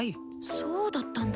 そうだったんだ。